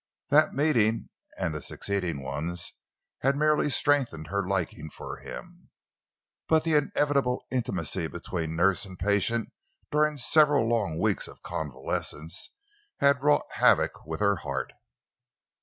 That meeting and the succeeding ones had merely strengthened her liking for him. But the inevitable intimacy between nurse and patient during several long weeks of convalescence had wrought havoc with her heart.